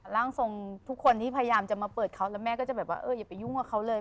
ร่างทรงทุกคนที่พยายามจะมาเปิดเขาแล้วแม่ก็จะแบบว่าเอออย่าไปยุ่งกับเขาเลย